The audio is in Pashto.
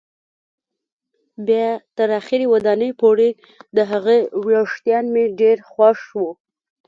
بیا تر اخري دانې پورې، د هغې وېښتان مې ډېر خوښ وو.